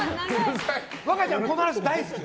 和歌ちゃん、この話大好き。